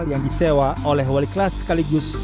yang disewa oleh wali kelas sekaligus